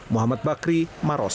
muhammad bakri maros